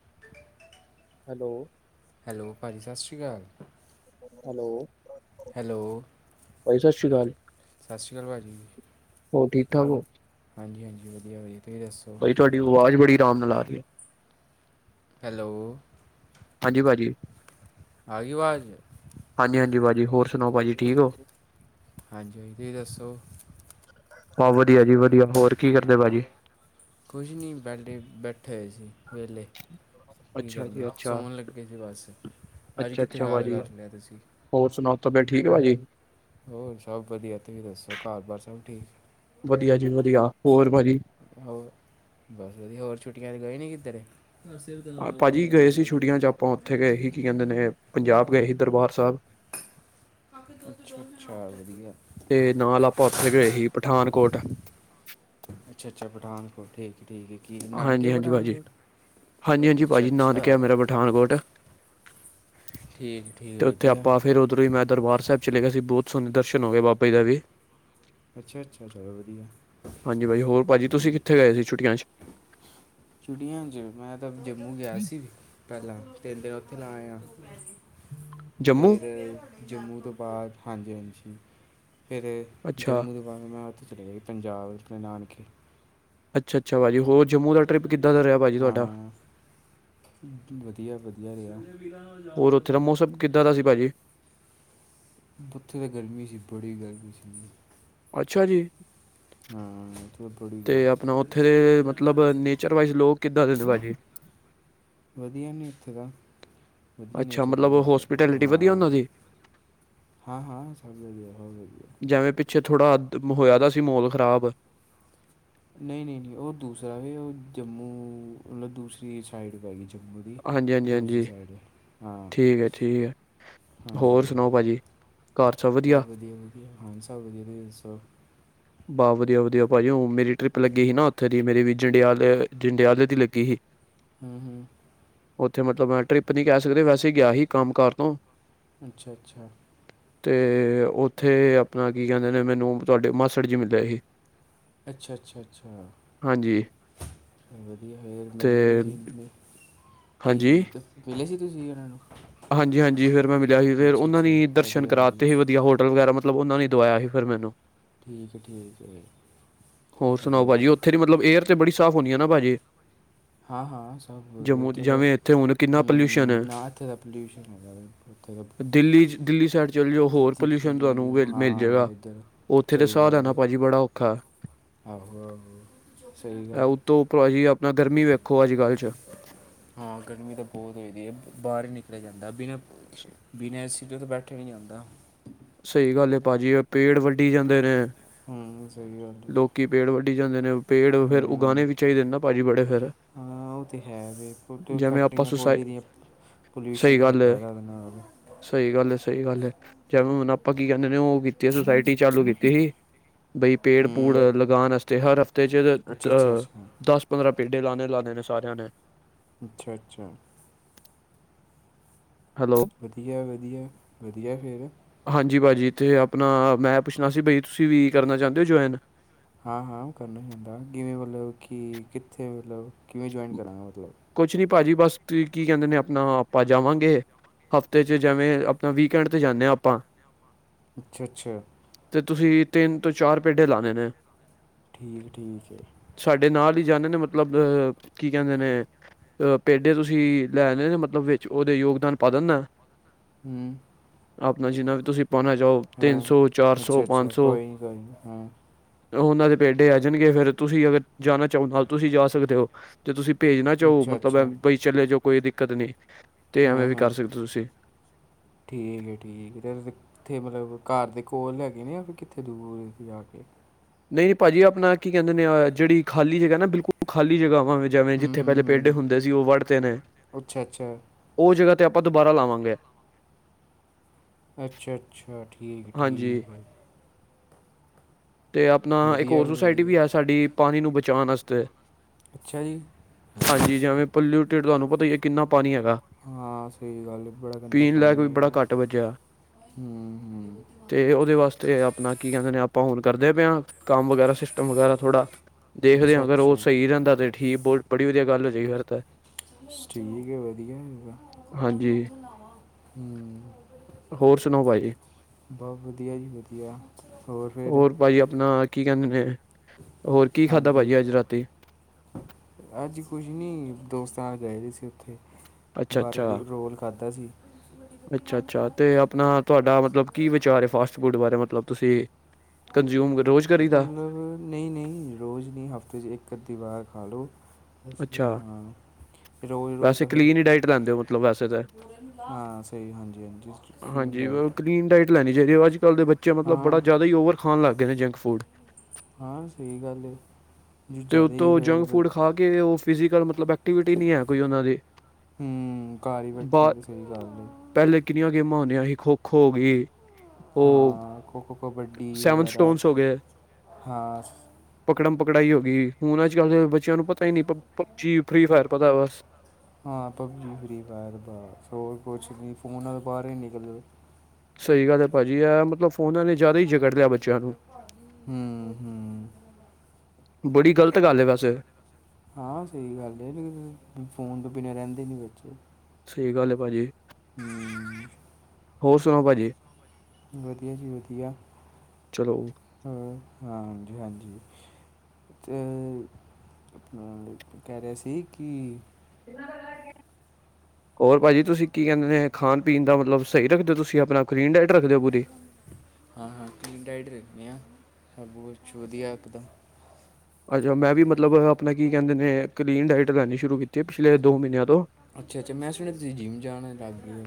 [inaudible] Hello. Hello ਭਾਜੀ ਸਤਿ ਸ਼੍ਰੀ ਅਕਾਲ, ਹੈਲੋ ਹੈਲੋ ਭਾਜੀ ਸਤਿ ਸ਼੍ਰੀ ਅਕਾਲ ਸਤਿ ਸ਼੍ਰੀ ਅਕਾਲ ਭਾਜੀ, ਹੋਰ ਠੀਕ ਠਾਕ ਹੋ? ਹਾਂਜੀ-ਹਾਂਜੀ, ਵਧੀਆ-ਵਧੀਆ। ਭਾਜੀ ਤੁਹਾਡੀ ਆਵਾਜ਼ ਬੜੀ ਆਰਾਮ ਨਾਲ ਆ ਰਹੀ ਹੈ। ਹੈਲੋ। ਹਾਂਜੀ ਭਾਜੀ। ਆ ਗਈ ਆਵਾਜ਼? ਹਾਂਜੀ ਹਾਂਜੀ ਹੋਰ ਸੁਣਾਓ ਭਾਜੀ, ਠੀਕ ਹੋ? ਹਾਂਜੀ, ਤੁਸੀ ਦੱਸੋ? ਹਾਂ ਵਧੀਆ ਜੀ ਵਧੀਆ, ਹੋਰ ਕੀ ਕਰਦੇ ਭਾਜੀ? ਕੁਝ ਨਹੀਂ ਬੈਲੇ ਬੈਠੇ ਹੋਏ ਸੀ, ਵੇਹਲੇ। ਕੀ ਅੱਛਾ ਕਰਨੇ? ਜੀ ਅੱਛਾ ਸੌਣ ਲੱਗੇ ਸੀ ਬਸ, ਅੱਜ ਅੱਛਾ ਕਿੱਥੋਂ ਅੱਛਾ ਯਾਦ ਭਾਜੀ ਕਰ ਲਿਆ ਤੁਸੀਂ? ਹੋਰ ਸੁਣਾਓ ਤਬੀਅਤ ਠੀਕ ਆ ਭਾਜੀ? ਹੋਰ ਸਭ ਵਧੀਆ, ਤੁਸੀਂ ਦੱਸੋ? ਘਰ ਬਾਰ ਸਭ ਠੀਕ। ਵਧੀਆ ਜੀ ਵਧੀਆ ਹੋਰ ਭਾਜੀ ਹੋਰ ਬਸ ਵਧੀਆ, ਹੋਰ ਛੁੱਟੀਆਂ ਤੇ ਗਏ ਨੀ ਕਿਧਰੇ? ਭਾਜੀ ਗਏ ਸੀ ਛੁੱਟੀਆਂ ਚ ਆਪਾਂ ਉੱਥੇ ਗਏ ਹੀ ਕਿ ਕਹਿੰਦੇ ਨੇ, ਪੰਜਾਬ ਗਏ ਸੀ ਚਲ ਦਰਬਾਰ ਸਾਹਿਬ। ਅੱਛਾ ਅੱਛਾ ਵਧੀਆ ਤੇ ਨਾਲ ਆਪਾਂ ਉੱਥੇ ਗਏ ਸੀ ਪਠਾਨਕੋਟ। ਅੱਛਾ-ਅੱਛਾ ਪਠਾਨਕੋਟ ਠੀਕ ਹੈ। ਠੀਕ ਹੈ ਕੀ ਨਾਨਕੇ ਹਾਂਜੀ-ਹਾਂਜੀ ਭਾਜੀ, ਪਠਾਨਕੋਟ ਹਾਂਜੀ- ਹਾਂਜੀ ਅੱਛਾ ਭਾਜੀ, ਨਾਨਕੇ ਅੱਛਾ ਹੈ ਮੇਰਾ ਪਠਾਨਕੋਟ। ਠੀਕ ਠੀਕ ਤੇ ਉੱਥੇ ਵਧੀਆ ਆਪਾਂ ਫਿਰ ਉੱਧਰੋਂ ਹੀ ਮੈਂ ਦਰਬਾਰ ਸਾਹਿਬ ਚਲੇ ਗਿਆ ਸੀ, ਬਹੁਤ ਸੋਹਣੇ ਦਰਸ਼ਨ ਹੋ ਗਏ ਬਾਬੇ ਦਾ ਵੀ। ਅੱਛਾ ਅੱਛਾ ਚਲੋ ਵਧੀਆ ਹਾਂਜੀ ਭਾਜੀ ਹੋਰ ਭਾਜੀ ਤੁਸੀਂ ਕਿੱਥੇ ਗਏ ਸੀ? ਛੁੱਟੀਆਂ ਚ। ਛੁਟੀਆਂ ਚ ਮੈਂ ਤਾਂ ਜੰਮੂ ਗਿਆ ਸੀ ਪਹਿਲਾਂ ਥਲਾ ਆਇਆ ਜੰਮੂ ਫਿਰ ਜੰਮੂ ਤੋਂ ਬਾਅਦ ਹਾਂਜੀ-ਹਾਂਜੀ ਫਿਰ ਅੱਛਾ ਜੰਮੂ ਦੇ ਬਾਦ ਮੈਂ ਉੱਥੇ ਚਲੇ ਗਿਆ ਪੰਜਾਬ ਜਿੱਥੇ ਨਾਨਕੇ ਅੱਛਾ-ਅੱਛਾ ਭਾਜੀ ਹੋਰ ਜੰਮੂ ਦਾ ਟਰਿਪ ਕਿੱਦਾਂ ਦਾ ਰਿਹਾ ਭਾਜੀ ਤੁਹਾਡਾ? ਵਧੀਆ-ਵਧੀਆ ਰਿਹਾ। ਹੋਰ ਉੱਥੇ ਦਾ ਮੌਸਮ ਕਿੱਦਾਂ ਦਾ ਸੀ ਭਾਜੀ ਉੱਥੇ ਤਾਂ ਗਰਮੀ ਸੀ ਬੜੀ ਗਰਮੀ ਸੀ। ਅੱਛਾ ਜੀ। ਹਾਂ ਉੱਥੇ ਤਾਂ ਬੜੀ ਤੇ ਗਰਮੀ ਆਪਣਾ ਉੱਥੇ ਸੀ। ਦੇ ਮਤਲਬ ਨੇਚਰ ਵਾਈਜ ਲੋਕ ਕਿੱਦਾਂ ਦੇ ਭਾਜੀ। [unintelligible] ਵਧੀਆ ਨੇ ਇੱਥੇ ਦਾ। ਵਧੀਆ ਅੱਛਾ ਨੇਚਰ ਨੇ ਮਤਲਬ ਹੋਸਪੀਟੈਲਿਟੀ ਵਧੀਆ ਉਹਨਾਂ ਦੀ। ਹਾਂ-ਹਾਂ ਸਬ ਵਧੀਆ, ਜਿਵੇਂ ਪਿੱਛੇ ਥੋੜਾ ਅ ਹੋਇਆ ਦਾ ਸੀ ਮੋਹਲ ਖ਼ਰਾਬ। ਨਹੀਂ-ਨਹੀਂ-ਨਹੀਂ ਉਹ ਦੂਸਰਾ ਵੀ ਉਹ ਜੰਮੂ ਮਤਲਬ ਦੂਸਰੀ ਸਾਈਡ ਪੈਗੀ। ਹਾਂਜੀ ਵਧੀਆ ਹਾਂਜੀ ਦੂਸਰੀ ਹਾਂਜੀ ਸਾਈਡ ਠੀਕ ਹੈ ਠੀਕ ਹੈ ਹਾਂਜੀ ਹੋਰ ਸੁਣਾਓ ਭਾਜੀ ਘਰ ਸਭ ਵਧੀਆ? ਹਾਂ ਸਭ ਵਧੀਆ, ਤੁਸੀ ਦੱਸੋ? ਬਾਹ ਵਧੀਆ-ਵਧੀਆ ਭਾਜੀ ਮੇਰੀ ਟਰਿਪ ਲੱਗੀ ਹੀ ਨਾ ਉੱਥੇ ਦੀ ਮੇਰੀ ਵੀ ਜੰਡਿਆਲੇ-ਜੰਡਿਆਲੇ ਦੀ ਲੱਗੀ ਹੀ। ਹੂੰ-ਹੂੰ, ਉੱਥੇ ਮਤਲਬ ਟਰਿਪ ਨੀ ਕਹਿ ਸਕਦੇ ਵੈਸੇ ਹੀ ਗਿਆ ਸੀ ਕੰਮ ਕਾਰ ਤੋਂ। ਅੱਛਾ-ਅੱਛਾ, ਤੇ ਉੱਥੇ ਆਪਣਾ ਕੀ ਕਹਿੰਦੇ ਨੇ ਮੈਨੂੰ ਤੁਹਾਡੇ ਮਾਸੜ ਜੀ ਮਿਲੇ ਸੀ। ਅੱਛਾ-ਅੱਛਾ-ਅੱਛਾ ਹਾਂਜੀ ਵਧੀਆ ਫਿਰ ਤੇ ਮੇਲ ਲੇਣਾ ਸੀ। ਕੀ ਹਾਂਜੀ ਮਿਲੇ ਸੀ ਤੁਸੀਂ ਉਹਨਾਂ ਨੂੰ। ਹਾਂਜੀ ਹਾਂਜੀ ਫੇਰ ਮੈਂ ਮਿਲਿਆ ਸੀ ਫਿਰ ਅੱਛਾ ਉਹਨਾਂ ਅੱਛਾ ਦੀ ਦਰਸ਼ਨ ਵਧੀਆ ਕਰਾਤੇ ਸੀ ਵਧੀਆ ਹੋਟਲ ਵਗੈਰਾ ਮਤਲਬ ਉਹਨਾਂ ਨੇ ਦਵਾਇਆ ਸੀ ਫਿਰ ਮੈਨੂੰ। ਠੀਕ ਹੈ ਠੀਕ ਹੈ ਹੋਰ ਸੁਣਾਓ ਵਧੀਆ ਭਾਜੀ ਉੱਥੇ ਦੀ ਮਤਲਬ ਏਅਰ ਤੇ ਬੜੀ ਸਾਫ਼ ਹੋਣੀ ਆ ਨਾ ਭਾਜੀ। ਹਾਂ-ਹਾਂ ਸਭ ਵਧੀਆ ਜੰਮੂ ਉੱਥੇ ਤਾਂ ਜਿਵੇਂ ਇੱਥੇ ਹੁਣ ਕਿੰਨਾ ਪੋਲਿਊਸ਼ਨ ਹੈ ਹੂੰ ਨਾ ਇੱਥੇ ਆਪਣੇ ਪੋਲਊਸ਼ਨ ਹੈਗਾ ਵੇ ਓਥੇ, ਦਿੱਲੀ ਦਿੱਲੀ ਸਾਈਡ ਚਲ ਜੋ ਹੋਰ ਪੋਲਿਊਸ਼ਨ ਤੁਹਾਨੂੰ ਵਿਚ ਮਿਲ ਜਾਏਗਾ ਹਾਂ ਇੱਧਰ ਉੱਥੇ ਤੇ ਸਹੀ ਸਾਹ ਗੱਲ ਲੈਣਾ ਹੈ ਭਾਜੀ ਬੜਾ ਔਖਾ ਹੈ। ਆਹੋ ਆਹ ਸਹੀ ਇਹ ਗੱਲ ਏ। ਉਤੋਂ ਭਾਜੀ ਆਪਣਾ ਗਰਮੀ ਵੇਖੋ ਅੱਜ ਕੱਲ੍ਹ 'ਚ ਹਾਂ ਗਰਮੀ ਤਾਂ ਬਹੁਤ ਹੋਈ ਦੀ ਹੈ ਬਾਹਰ ਹੀ ਨਿਕਲਿਆ ਜਾਂਦਾ ਬਿਨਾਂ ਬਿਨਾ ਏਸੀ ਤੋਂ ਤੇ ਬੈਠਿਆ ਨੀ ਜਾਂਦਾ। ਸਹੀ ਗੱਲ ਏ ਭਾਜੀ ਪੇੜ ਵੱਡੀ ਜਾਂਦੇ ਨੇ। ਹੂੰ ਸਹੀ ਗੱਲ ਹੈ ਲੋਕੀ ਪੇੜ ਵੱਡੀ ਜਾਂਦੇ ਨੇ ਪੇੜ ਫੇਰ ਹੂੰ ਉਗਾਣੇ ਵੀ ਚਾਹੀਦੇ ਨੇ ਨਾ ਭਾਜੀ ਬੜੇ ਫੇਰ। ਉਹ ਤਾਂ ਹੈ ਜਿਵੇਂ ਆਪਾਂ ਫੈਕਟਰੀਆਂ ਸੁਸਾਇ ਖੋਲ੍ਹਿਆ ਦੀਆਂ, ਪੋਲੂਸ਼ਨ ਸਹੀ ਹੋ ਗੱਲ ਐ ਰਿਹਾ ਉਹਦੇ ਨਾਲ ਸਹੀ ਗੱਲ, ਸਹੀ ਗੱਲ ਹੈ ਜਵੇ ਹੁਣ ਆਪਾਂ ਕੀ ਕਹਿੰਦੇ ਨੇ ਉਹ ਕੀਤੀ ਸੁਸਾਇਟੀ ਚਾਲੂ ਕੀਤੀ ਸੀ ਬਈ, ਪੇੜ ਪੂੜ ਹੂੰ ਲਗਾਉਣ ਵਾਸਤੇ ਹਰ ਹਫ਼ਤੇ ਚ ਅੱਛਾ ਅ ਅੱਛਾ ਅੱਛਾ ਦਸ ਪੰਦਰਾਂ, ਪੇਡੇ ਲਾਣੇ ਲਾਉਦੇ ਨੇ ਸਾਰਿਆਂ ਨੇ, ਅੱਛਾ-ਅੱਛਾ, ਹੈਲੋ ਵਧੀਆ-ਵਧੀਆ-ਵਧੀਆ ਫਿਰ, ਜੀ ਭਾਜੀ ਇੱਥੇ ਆਪਣਾ ਮੈਂ ਪੁੱਛਣਾ ਸੀ ਬਈ ਤੁਸੀਂ ਵੀ ਕਰਨਾ ਚਾਹੁੰਦੇ ਹੋ ਜੁਆਇਨ, ਹਾਂ-ਹਾਂ ਉਹ ਕਰਨਾ ਹੈ ਕਿਵੇਂ? ਮਤਲਬ ਕਿ ਕਿੱਥੇ? ਮਤਲਬ ਕਿਵੇਂ ਜੁਆਇਨ ਕਰਾਂਗੇ ਮਤਲਬ, ਕੁਛ ਨੀ ਭਾਜੀ ਬਸ ਤੁਸੀਂ ਕੀ ਕਹਿੰਦੇ ਨੇ ਆਪਣਾ ਆਪਾਂ ਜਾਵਾਂਗੇ, ਹਫ਼ਤੇ ਚ ਜਿਵੇਂ ਆਪਣਾ ਵੀਕਐਂਡ ਤੇ ਜਾਂਦੇ ਹਾਂ ਆਪਾਂ ਅੱਛਾ ਅੱਛਾ ਤੇ ਤੁਸੀਂ ਤਿੰਨ ਤੋਂ ਚਾਰ ਪੇਡੇ ਲਾਣੇ ਨੇ ਠੀਕ ਠੀਕ ਸਾਡੇ ਨਾਲ ਹੀ ਜਾਣੇ ਨੇ ਮਤਲਬ ਕੀ ਕਹਿੰਦੇ ਨੇ ਅਹ ਪੇਡੇ ਤੁਸੀਂ ਲੈਨੇ ਨੇ ਮਤਲਬ ਵਿੱਚ ਉਹਦੇ ਯੋਗਦਾਨ ਪਾ ਹਮ ਆਪਣਾ ਜਿੰਨਾ ਵੀ ਤੁਸੀਂ ਪਾਉਣਾ ਚਾਹੋ ਤਿੰਨ ਸੌ ਚਾਰ ਸੌ ਅੱਛਾ ਅੱਛਾ ਪੰਜ ਸੌ ਕੋਈ ਨਹੀਂ ਕੋਈ ਨਹੀਂ ਹਾਂ ਉਹਨਾਂ ਦੇ ਪੇਡੇ ਆ ਜਾਣਗੇ ਫੇਰ ਤੁਸੀਂ ਅਗਰ ਜਾਣਾ ਚਾਹੋ ਨਾਲ ਤੁਸੀਂ ਜਾ ਸਕਦੇ ਹੋ ਤੇ ਤੁਸੀਂ ਭੇਜ ਨਾ ਚਾਹੋ ਅੱਛਾ ਮਤਲਬ ਬਈ ਚਲੇ ਜਾਓ ਕੋਈ ਦਿੱਕਤ ਨਹੀਂ ਤੇ ਹਮ ਐਵੇਂ ਵੀ ਹਮ ਕਰ ਸਕਦੇ ਤੁਸੀਂ ਠੀਕ ਹੈ ਠੀਕ ਤੇ ਇਥੇ ਮਤਲਬ ਘਰ ਦੇ ਕੋਲ ਹੈਗੇ ਨੇ ਫਿਰ ਕਿੱਥੇ ਦੂਰ ਜਾ ਕੇ ਨਹੀਂ ਭਾਜੀ ਆਪਣਾ ਕੀ ਕਹਿੰਦੇ ਜਿਹੜੀ ਖਾਲੀ ਜਗ੍ਹਾ ਨਾ ਬਿਲਕੁਲ ਖਾਲੀ ਜਗ੍ਹਾ ਜਵੇ ਹੂੰ ਜਿੱਥੇ ਹੂੰ ਪਹਿਲੇ ਪੇਡੇ ਹੂੰ ਹੁੰਦੇ ਸੀ ਉਹ ਵੜਦੇ ਨੇ ਅੱਛਾ ਅੱਛਾ ਉਹ ਜਗ੍ਹਾ ਤੇ ਆਪਾਂ ਦੁਬਾਰਾ ਲਾਵਾਂਗੇ ਅੱਛਾ ਅੱਛਾ ਠੀਕ ਹੈ ਹਾਂਜੀ ਠੀਕ ਹੈ ਅਤੇ ਆਪਣਾ ਇੱਕ ਵਧੀਆ ਹੋਰ ਸੁਸਾਇਟੀ ਵਧੀਆ ਵੀ ਹੈ ਸਾਡੀ ਪਾਣੀ ਨੂੰ ਬਚਾਉਣ ਵਾਸਤੇ ਅੱਛਾ ਜੀ ਹਾਂਜੀ ਜਿਵੇਂ ਪੋਲਿਊਟਿਡ ਤੁਹਾਨੂੰ ਪਤਾ ਹੀ ਹੈ ਕਿੰਨਾ ਪਾਣੀ ਹੈ ਹਾਂ ਸਹੀ ਗੱਲ ਬੜਾ ਗੰਦਾ ਪੀਣ ਲਾਇਕ ਪਾਣੀ ਵੀ ਹੈ ਬੜਾ ਯਾਰ ਘੱਟ ਬਚਿਆ ਹੂੰ ਹੂੰ ਤੇ ਉਹਦੇ ਵਾਸਤੇ ਆਪਣਾ ਕੀ ਕਹਿੰਦੇ ਨੇ ਆਪਾਂ ਹੁਨ ਕਰਦੇ ਪਏ ਹਾਂ ਕੰਮ ਵਗੈਰਾ ਸਿਸਟਮ ਵਗੈਰਾ ਥੋੜ੍ਹਾ ਦੇਖਦੇ ਹੋ ਅੱਛਾ ਅਗਰ ਉਹ ਅੱਛਾ ਸਹੀ ਰਹਿੰਦਾ ਤੇ ਠੀਕ ਬੜੀ ਵਧੀਆ ਗੱਲ ਹੋ ਜਾਏ ਯਾਰ ਤਾਂ ਠੀਕ ਹੈ ਵਧੀਆ ਹਮ ਹਾਂਜੀ ਹੋਰ ਸੁਣਾਓ ਭਾਜੀ ਬਹੁਤ ਵਧੀਆ ਜੀ ਵਧੀਆ ਹੋਰ ਫਿਰ ਭਾਜੀ ਆਪਣਾ ਕੀ ਕਹਿੰਦੇ ਨੇ ਹੋਰ ਕੀ ਖਾਧਾ ਹਾਂਜੀ ਭਾਜੀ ਅੱਜ ਰਾਤੀ ਅੱਜ ਕੁਝ ਨੀ ਦੋਸਤ ਚਾਹ ਗਏ ਦੀ ਸੀ ਉੱਥੇ ਅੱਛਾ ਬਾਹਰੋਂ ਅੱਛਾ ਦੀ ਰੋਲ ਖਾਧਾ ਸੀ ਅੱਛਾ ਅੱਛਾ ਤੇ ਆਪਣਾ ਤੁਹਾਡਾ ਮਤਲਬ ਕੀ ਵਿਚਾਰ ਹੈ ਫਾਸਟ ਫੂਡ ਬਾਰੇ ਮਤਲਬ ਤੁਸੀਂ ਕੰਜ਼ਿਊਮ ਰੋਜ਼ ਕਰੀਦਾ ਮਤਲਬ ਨਹੀਂ ਨਹੀਂ ਰੋਜ਼ ਨਹੀਂ ਹਫ਼ਤੇ ਚ ਇੱਕ ਅੱਧੀ ਵਾਰ ਹਲੋ ਅੱਛਾ ਰੋਜ਼ ਰੋਜ਼ ਵੈਸੇ ਤਾਂ ਫਿਰ ਕਲੀਨ ਹੀ ਡਾਇਟ ਲੈਂਦੇ ਹੋ ਮਤਲਬ ਵੈਸੇ ਤਾਂ ਹਾਂ ਸਹੀ ਹਾਂਜੀ ਹਾਂਜੀ ਹਾਂਜੀ ਡਾਈਟ ਕਲੀਨ ਡਾਇਟ ਲੈਣੀ ਚਾਹੀਦੀ ਅੱਜ ਕੱਲ ਦੇ ਬੱਚੇ ਮਤਲਬ ਬੜਾ ਹਾਂ ਜ਼ਿਆਦਾ ਹੀ ਓਵਰ ਖਾਣ ਲੱਗ ਗਏ ਨੇ ਜੰਕ ਫੂਡ ਹਾਂ ਸਹੀ ਗੱਲ ਜੋ ਤੇ ਜ਼ਿਆਦਾ ਹੀ ਉਤੋਂ ਜੰਕ ਫਿਰ ਫੂਡ ਖਾ ਕੇ ਉਹ ਫਿਜ਼ਕਲ ਮਤਲਬ ਐਕਟੀਵਿਟੀ ਨਹੀਂ ਹੈ ਕੋਈ ਉਹਨਾਂ ਦੇ ਹੂੰ ਘਰ ਹੀ ਬੈਠੇ ਬਰ ਰਹਿੰਦੇ ਸਹੀ ਗੱਲ ਹੈ ਪਹਿਲੇ ਗੇਮਾਂ ਹੁੰਦੀਆਂ ਸੀ ਖੋ ਖੋ ਹੋ ਗਈ ਉਹ ਹਾਂ ਖੋ ਖੋ ਕਬੱਡੀ ਸੈਵਨ ਵਗੈਰਾ ਸਟੋਨਸ ਹੋ ਗਏ ਹਾਂ ਕੜਾਈ ਹੋ ਗਈ ਹੁਣ ਅੱਜ ਕੱਲ ਦੇ ਬੱਚਿਆਂ ਨੂੰ ਪਤਾ ਹੀ ਨਹੀਂ ਪਬਜੀ ਫਰੀ ਫਾਇਰ ਪਤਾ ਬਸ ਹਾਂ ਪਬਜੀ ਫ੍ਰੀ ਫਾਇਰ ਬਸ ਹੋਰ ਕੁਛ ਨੀ ਫੋਨ ਤਾਂ ਬਾਰ ਈ ਨਿਕਲਦੇ। ਸਹੀ ਗੱਲ ਐ ਭਾਜੀ ਐ ਮਤਲਬ ਫੋਨਾਂ ਨੇ ਜਾਦਾ ਈ ਜਗੜ ਲਿਆ ਬੱ ਹੂੰ ਹੂੰ ਬੜੀ ਗ਼ਲਤ ਗੱਲ ਐ ਵੈਸੇ। ਹਾਂ ਸਹੀ ਗੱਲ ਐ ਫੋਨ ਤੋਂ ਬਿਨਾਂ ਰਹਿੰਦੇ ਈ ਨੀ ਬੱਚੇ ਸਹੀ ਗੱਲ ਐ ਭਾਜੀ। ਹੂੰ ਹੋਰ ਸੁਨਾਓ ਭਾਜੀ। ਵਧੀਆ ਜੀ ਵਧੀਆ ਚਲੋ ਹੋ ਹਾਂਜੀ ਹਾਂਜੀ ਤੇ ਅਪਣਾ ਕਹਿ ਰਹਿਆ ਸੀ ਕੀ [unintelligible] ਹੋਰ ਭਾਜੀ ਤੁਸੀਂ ਕੀ ਕੈਂਦੇ ਖਾਣ ਪੀਣ ਦਾ ਮਤਲਬ ਸਈ ਰੱਖਦੇ ਓ ਤੁਸੀਂ ਆਪਣਾ ਕਲੀਨ ਡਾਇਟ ਰੱਖਦੇ ਹੋ ਪੂਰੀ ਹਾਂ ਹਾਂ ਕਲੀਨ ਡਾਈਟ ਰੱਖਣੀ ਆ ਸਭ ਕੁਛ ਵਧੀਆ ਇੱਕ ਤਾਂ ਅੱਛਾ ਮੈਂ ਵੀ ਮਤਲਬ ਆਪਣਾ ਕੀ ਕੈਂਦੇ ਨੇ ਕਲੀਨ ਡਾਇਟ ਲੈਣੀ ਸ਼ੁਰੂ ਕੀਤੀ ਪਿਛਲੇ ਦੋ ਮਹੀਨਿਆਂ ਤੋਂ ਅੱਛਾ ਅੱਛਾ ਮੈਂ ਸੁਣਿਆ ਤੁਸੀਂ ਜਿੰਮ ਜਾਣ ਲਾਗੇ ਓ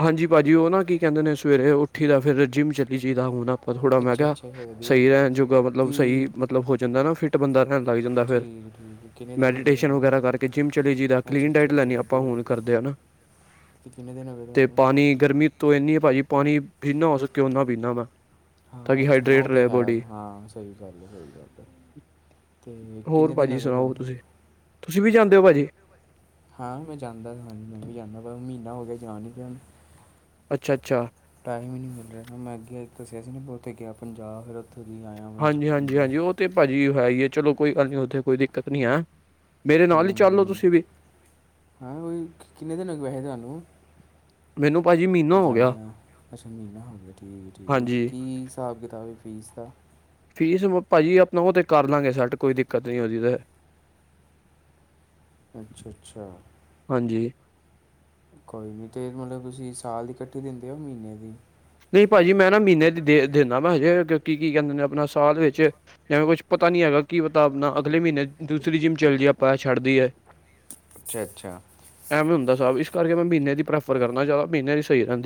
ਹਾਂਜੀ ਭਾਜੀ ਓ ਨਾ ਕੀ ਕੇਂਦੇ ਨੇ ਸਵੇਰੇ ਉੱਠੀ ਦਾ ਫਿਰ ਜਿੰਮ ਚਲੀ ਚੀ ਦਾ ਹੁਨ ਪਰ ਥੋੜ੍ਹਾ ਮੈਂ ਅੱਛਾ ਕਿਆ ਅੱਛਾ ਫਿਰ ਵਧੀਆ ਸਈ ਰਹਿਣ ਜੋਗਾ ਮਤਲਬ ਸਈ ਕੀ ਮਤਲਬ ਹੋ ਜਾਂਦਾ ਨਾ ਫਿੱਟ ਬੰਦਾ ਰਹਿਣ ਲੱਗ ਜਾਂਦਾ ਫਿਰ ਠੀਕ ਠੀਕ ਕਿੰਨੇ ਦਿਨ ਹੋ ਗਏ ਮੈਡੀਟੇਸ਼ਨ ਤੁਹਾਨੂੰ ਵਗੈਰਾ ਕਰਕੇ ਜਿੰਮ ਚਲੀ ਜੀਦਾ ਅੱਛਾ ਕਲੀਨ ਅੱਛਾ ਡਾਇਟ ਅੱਛਾ ਲੈਣੀ ਆਪਾਂ ਵਧੀਆ ਹੁਣ ਵਧੀਆ ਕਰਦੇ [unintelligible] ਤੇ ਕਿੰਨੇ ਦਿਨ ਹੋਗੇ ਤੇ ਪਾਣੀ ਗਰਮੀ ਉਤੋਂ ਇੰਨੀ ਭਾਜੀ ਪਾਣੀ ਜਿਨ੍ਹਾਂ ਹੋ ਸਕੇ ਓਨਾ ਪੀਂਨਾ ਮੈਂ ਤਾਂ ਹਾਂ ਕਿ ਅੱਛਾ ਹਾਈਡਰੇਟ ਓ ਤੇ ਰਹੇ ਹੈ ਬੋਡੀ ਹਾਂ ਸਹੀ ਗੱਲ ਐ ਸਈ ਗੱਲ ਤੇ ਹੋਰ ਕਿੰਨੇ ਦਿਨ ਭਾਜੀ ਹੋ ਗਏ ਸੁਣਾਓ ਤੁਹਾਨੂੰ? ਤੁਸੀਂ ਤੁਸੀਂ ਵੀ ਜਾਂਦੇ ਓ ਭਾਜੀ? ਹਾਂ ਮੈਂ ਜਾਂਦਾ ਹਾਂ ਮੈਂ ਵੀ ਜਾਂਨਾ ਮਹੀਨਾ ਹੋ ਗਿਆ ਕੇ ਜਾ ਨੀ ਰਿਆ ਅੱਛਾ-ਅੱਛਾ, ਟਾਈਮ ਈ ਨੀ ਮਿਲ ਰਿਆ ਮੈਂ ਅੱਗੇ ਦੱਸਿਆ ਸੀ ਨਾ ਉੱਥੇ ਗਿਆ ਪੰਜਾਬ ਉੱਥੋਂ ਦੀ ਆਇਆ ਮੈਂ ਅੱਜ। ਹਾਂਜੀ ਹੂੰ ਹਾਂਜੀ ਹਾਂਜੀ ਓ ਤੇ ਭਾਜੀ ਹੈ ਈ ਐ ਚਲੋ ਕੋਈ ਗੱਲ ਨੀ ਉੱਥੇ ਕੋਈ ਦਿੱਕਤ ਨੀ ਆ। ਹੂੰ ਹੂੰ ਹਾਂ ਕੋਈ ਕਿੰਨੇ ਦਿਨ ਹੋਗੇ ਵੈਸੇ ਤੁਹਾਨੂੰ ਮੈਨੂੰ ਭਾਜੀ ਮਹੀਨਾ ਹੋ ਗਿਆ ਜਾਂਦੇ ਆ ਅੱਛਾ ਮਹੀਨਾ ਹੋ ਗਿਆ ਠੀਕ ਠੀਕ ਹਾਂਜੀ ਕੀ ਹਿਸਾਬ ਕਿਤਾਬ ਏ ਫੀਸ ਦਾ? ਫੀਸ ਭਾਜੀ ਆਪਣਾ ਆਬਤੇ ਕਰ ਲਾਂਗੇ ਸੈੱਟ ਕੋਈ ਦਿੱਕਤ ਨੀ ਓਦੀ ਤਾਂ ਅੱਛਾ ਅੱਛਾ ਹਾਂਜੀ ਕੋਈ ਨੀ ਤੇ ਮਤਲਬ ਤੁਸੀਂ ਸਾਲ ਦੀ ਕੱਠੀ ਦਿੰਦੇ ਓ ਮਹੀਨੇ ਦੀ ਨਈ ਭਾਜੀ ਮੈਂ ਨਾ ਮਹੀਨੇ ਦੇ ਦਿੰਨਾ ਵਾ ਹਜੇ ਕੀ ਕੀ ਕੈਂਦੇ ਨੇ ਆਪਣਾ ਸਾਲ ਵਿੱਚ ਜਿਵੇਂ ਕੁੱਛ ਪਤਾ ਨੀ ਹੈਗਾ ਕੀ ਪਤਾ ਆਪਣਾ ਅਗਲੇ ਮਹੀਨੇ ਦੂਸਰੀ ਜਿੰਮ ਚੱਲ ਜੀਏ ਆਪਾਂ ਛੱਡ ਦੀਏ ਅੱਛਾ ਅੱਛਾ ਐਵੇਂ ਹੁੰਦਾ ਇਸ ਕਰਕੇ ਮੈਂ ਮਹੀਨੇ ਦੀ ਪ੍ਰੈਫਰ ਕਰਨਾ ਜ਼ਿਆਦਾ ਮਹੀਨੇ ਦੀ ਸਹੀ ਰੇਂ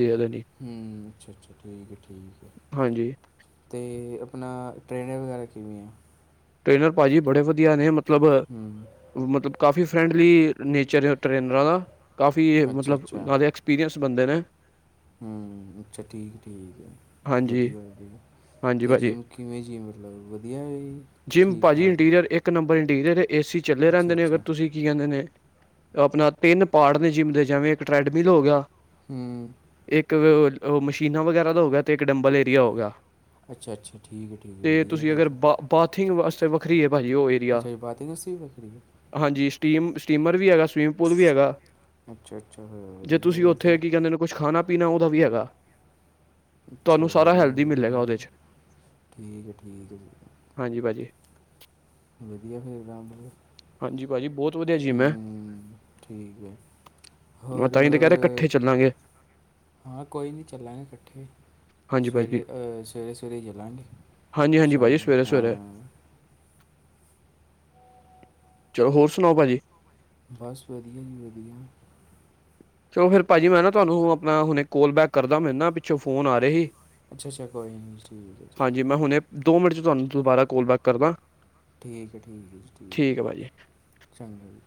ਹੂੰ ਅੱਛ ਅੱਛਾ ਠੀਕ ਏ ਠੀਕ ਏ ਹਾਂਜੀ। ਤੇ ਅਪਨਾ ਟ੍ਰੇਨਰ ਵਗੈਰਾ ਕਿਵੇਂ ਆ? ਟ੍ਰੇਨਰ ਭਾਜੀ ਬੜੇ ਵਧੀਆ ਨੇ ਮਤਲਬ ਹੂੰ ਮਤਲਬ ਕਾਫੀ ਫਰੈਂਡਲੀ ਨੇਚਰ ਆ ਟ੍ਰੇਨਰਾਂ ਦਾ ਕਾਫੀ ਅੱਛਾ ਮਤਲਬ ਅੱਛਾ ਨਾਲੇ ਐਕਸਪੀਰੀਅੰਸ ਬੰਦੇ ਨੇ ਹੂੰ ਅੱਛਾ ਠੀਕ ਠੀਕ ਹਾਂਜੀ ਵਧੀਆ ਵਧੀਆ ਹਾਂਜੀ ਤੇ ਜਿੰਮ ਕਿਵੇਂ ਜੀ ਮਤਲਬ ਵਧੀਆ ਐ ਜਿਮ ਭਾਜੀ ਇੰਟੀਰੀਅਰ ਇੱਕ ਨੰਬਰ ਇੰਟੀਰੀਅਰ ਏ ਸੀ ਚੱਲੇ ਅੱਛਾ ਰੇਂਦੇ ਨੇ ਅਗਰ ਅੱਛਾ ਤੁਸੀਂ ਕੀ ਕੈਂਦੇ ਨੇ ਆਪਣਾ ਤਿੰਨ ਪਾਰਟ ਨੇ ਜਿੰਮ ਦੇ ਜਿਵੇਂ ਇੱਕ ਟਰੈਡਮਿਲ ਹੋ ਗਿਆ ਹੂੰ ਇੱਕ ਮਸ਼ੀਨਾਂ ਵਗੈਰਾ ਦਾ ਹੋ ਗਿਆ ਤੇ ਇੱਕ ਡੰਬਲ ਏਰੀਆ ਹੋਗਾ ਅੱਛਾ ਅੱਛਾ ਠੀਕ ਐ ਠੀਕ ਐ ਵਧੀਆ ਫਿਰ ਤਾਂ ਥੀਨ ਵਾਸਤੇ ਵੱਖਰੀ ਹੈ ਭਾਜੀ ਓ ਏਰੀਆ ਅੱਛਾ ਜੀ ਬਾਤ ਇੰਡਸਟਰੀ ਵੱਖਰੀ ਹੈ ਹਾਂਜੀ ਸਟੀਮ ਸਟੀਮਰ ਵੀ ਹੈਗਾ। ਸਵਮਿੰਗ ਪੂਲ ਵੀ ਹੈਗਾ ਅੱਛਾ ਅੱਛਾ ਫਿਰ ਜੇ ਵਧੀਆ ਤੁਸੀਂ ਫਿਰ ਔਥੇ ਤਾਂ ਕੀ ਕੈੰਦੇ ਕੁਛ ਖਾਣਾ ਪੀਣਾ ਉਦਾ ਵੀ ਹੈਗਾ। ਅੱਛਾ ਤੁਹਾਨੂੰ ਸਾਰਾ ਵਧੀਆ ਹੈਲਦੀ ਮਿਲੇਗਾ ਫੇਰ ਉਹਦੇ ਤੇ 'ਚ ਠੀਕ ਏ ਠੀਕ ਏ ਜੀ ਭਾਜੀ। ਵਧੀਆ ਫੇਰ ਰਾਮ ਮਿਲ ਗਿਆ। ਹਾਂਜੀ ਭਾਜੀ ਬਹੁਤ ਵਧੀਆ ਜਿਮ ਐਂ। ਠੀਕ ਹੈ ਮੈਂ ਹੋਰ ਤਾਂਹੀ ਤੇ ਕੈ ਰਿਹਾ ਕੱਠੇ ਮਤਲਬ ਚੱਲਾਂਗੇ। ਹਾਂ ਕੋਈ ਨੀ ਚੱਲਾਂਗੇ ਕੱਠੇ। ਹਾਂਜੀ ਭਾਜੀ ਸਵੇਰੇ ਅ ਸਵੇਰੇ ਸਵੇਰੇ ਈ ਚਲਾਂਗੇ ਹਾਂਜੀ ਹਾਂਜੀ ਭਾਜੀ ਸਾ਼ਮ ਸਵੇਰੇ ਸਵੇਰੇ ਹਾਂ। ਹੋਰ ਸੁਣਾਓ ਭਾਜੀ? ਬਸ ਵਧੀਆ ਜੀ ਵਧੀਆ। ਚਲੋ ਫਿਰ ਭਾਜੀ ਮੈਂ ਨਾ ਤੁਹਾਨੂੰ ਆਪਣਾ ਹੁਣੇ ਕੋਲ ਬੈਕ ਕਰਦਾ ਮੇਨੂੰ ਨਾ ਪਿੱਛੋਂ ਫੋਨ ਆ ਰੇ ਸੀ ਅੱਛਾ ਅੱਛਾ ਕੋਈ ਨੀ ਠੀਕ ਐ ਠੀਕ ਹਾਂਜੀ ਐ। ਮੈਂ ਹੁਣੇ ਦੋ ਮਿੰਟ 'ਚ ਤੁਹਾਨੂੰ ਦੁਬਾਰਾ ਕੋਲ ਬੈਕ ਕਰਦਾ। ਠੀਕ ਹੈ ਠੀਕ ਹੈ ਜੀ ਠੀਕ ਹੈ, ਚੰਗਾ ਜੀ।